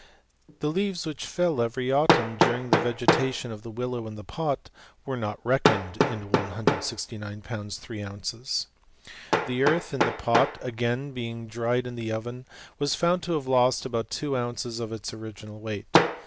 The leaves which fell every autumn during the vegetatioit of the willow in the pot, were not reckoned in th* 169 lbs. 3oz The earth in the pbt being again drie4 in the oven, was found to have lost about two ounce9 of its original weight.